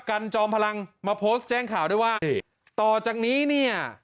กันจอมพลังมาโพสต์แจ้งข่าวด้วยว่าต่อจากนี้เนี่ย